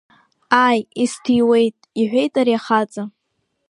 Ааи, исҭиуеит, — иҳәеит ари ахаҵа.